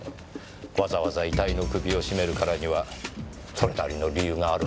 わざわざ遺体の首を絞めるからにはそれなりの理由があるはずです。